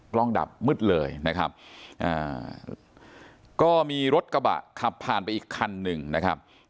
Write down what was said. ดับมืดเลยนะครับก็มีรถกระบะขับผ่านไปอีกคันหนึ่งนะครับ